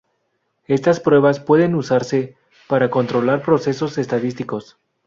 Estas pruebas pueden usarse para controlar procesos estadísticos.